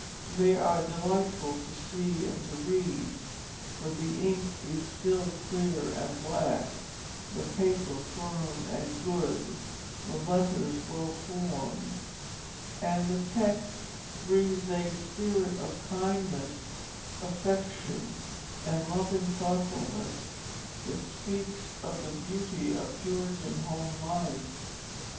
They are delightful to see and to read, for the ink is still clear and black, the paper firm and good, the letters well formed, and the text breathes a spirit of kindness, affection, and loving thoughtfulness that speaks of the beauty of Puritan home life.